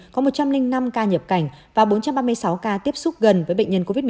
có một trăm linh năm ca nhập cảnh và bốn trăm ba mươi sáu ca tiếp xúc gần với bệnh nhân covid một mươi chín